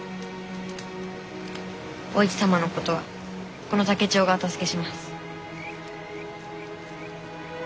お市様のことはこの竹千代がお助けします。